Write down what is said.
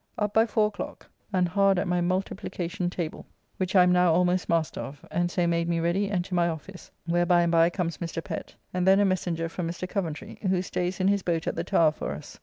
Up by four o'clock, and hard at my multiplicacion table, which I am now almost master of, and so made me ready and to my office, where by and by comes Mr. Pett, and then a messenger from Mr. Coventry, who stays in his boat at the Tower for us.